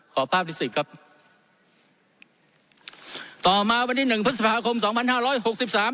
ภาพที่สิบครับต่อมาวันที่หนึ่งพฤษภาคมสองพันห้าร้อยหกสิบสาม